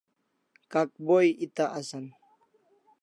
Kakboi eta asan